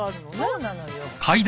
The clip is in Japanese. そうなのよ。